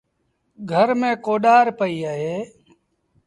گھر ميݩ ڪوڏآر پئيٚ اهي۔